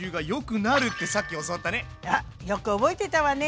あっよく覚えてたわね。